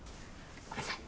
ごめんなさい